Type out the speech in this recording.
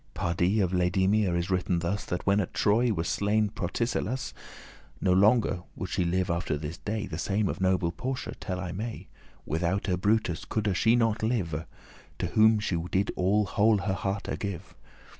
Pardie, of Laedamia is written thus, That when at Troy was slain Protesilaus, <24> No longer would she live after his day. The same of noble Porcia tell I may; Withoute Brutus coulde she not live, To whom she did all whole her hearte give.